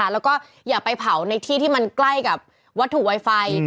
แล้วก็อย่าไปเผาในที่ที่มันใกล้กับวัตถุไวไฟ